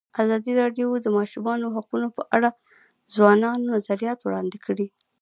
ازادي راډیو د د ماشومانو حقونه په اړه د ځوانانو نظریات وړاندې کړي.